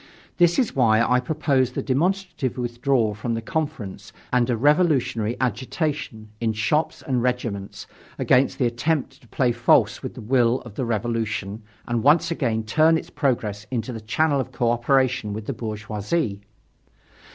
This is why I proposed the demonstrative withdrawal from the Conference and a revolutionary agitation, in shops and regiments, against the attempt to play false with the will of the Revolution and once again turn its progress into the channel of cooperation with the bourgeoisie.